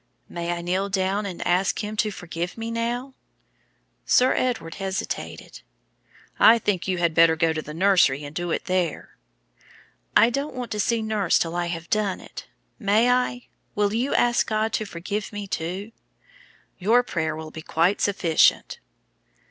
"May I kneel down and ask him to forgive me now?" Sir Edward hesitated. "I think you had better go to the nursery and do it there." "I don't want to see nurse till I have done it. May I? Will you ask God to forgive me too?" "Your prayer will be quite sufficient."